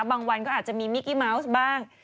บางวันก็อาจจะมีมิกกี้เมาส์บ้าง